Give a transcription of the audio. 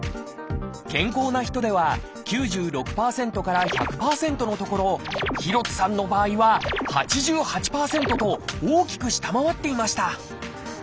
健康な人では９６％から１００％のところ廣津さんの場合は８８％と大きく下回っていました。